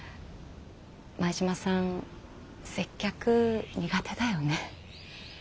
前島さん接客苦手だよね。